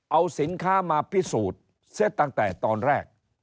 เอาสินค้ามาพิสูจน์เสียตั้งแต่ตอนแรก